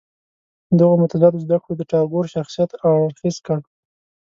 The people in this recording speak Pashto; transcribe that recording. دغو متضادو زده کړو د ټاګور شخصیت هر اړخیز کړ.